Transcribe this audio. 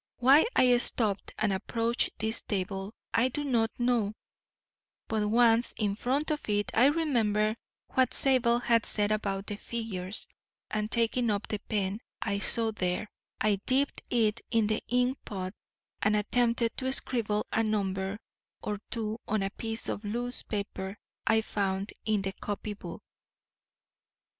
Why I stopped and approached this table I do not know, but once in front of it I remembered what Zabel had said about the figures, and taking up the pen I saw there, I dipped it in the ink pot and attempted to scribble a number or two on a piece of loose paper I found in the copy book.